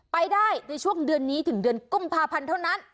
ไปได้ในช่วงเดือนนี้ถึงเดือนกุมภาพันธ์เท่านั้น